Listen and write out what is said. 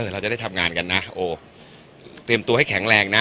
เราจะได้ทำงานกันนะโอ้เตรียมตัวให้แข็งแรงนะ